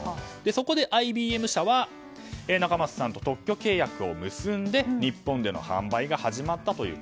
それでＩＢＭ社は中松さんと特許契約を結んで日本での販売が始まったという。